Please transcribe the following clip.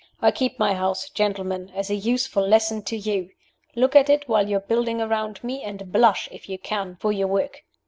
I keep my house, gentlemen, as a useful lesson to you. Look at it while you are building around me, and blush, if you can, for your work.